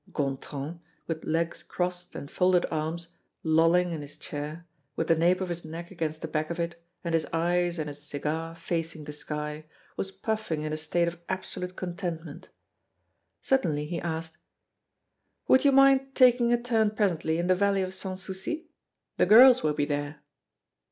Gontran, with legs crossed and folded arms, lolling in his chair, with the nape of his neck against the back of it, and his eyes and his cigar facing the sky, was puffing in a state of absolute contentment. Suddenly, he asked: "Would you mind taking a turn, presently, in the valley of Sans Souci? The girls will be there."